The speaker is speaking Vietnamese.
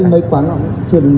mấy quán chưa mở đâu ạ